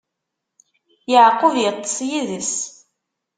Yeɛqub iṭṭeṣ yid-s.